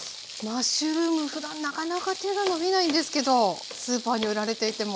マッシュルームふだんなかなか手が伸びないんですけどスーパーに売られていても。